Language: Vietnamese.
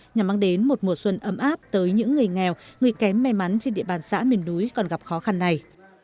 nhằm mang đến một mùa xuân ấm áp tới những người nghèo người kém may mắn trên địa bàn xã miền núi còn gặp khó khăn này